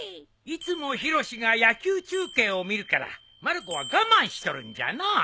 いつもヒロシが野球中継を見るからまる子は我慢しとるんじゃのう。